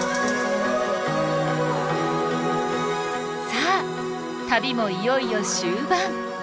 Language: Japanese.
さあ旅もいよいよ終盤！